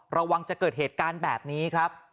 ระวังจะเกิดเหตุการณ์แบบนี้ครับ